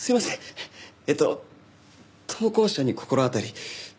えっと投稿者に心当たり。